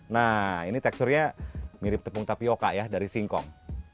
nah ini teksturnya mirip tepung tapioca ya dari singkong